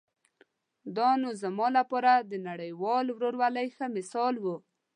دا نو زما لپاره د نړیوال ورورولۍ ښه مثال و.